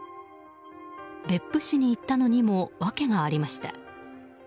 別府市に行ったのにも訳がありました。